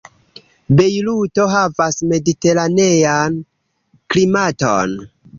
Bejruto havas mediteranean klimaton.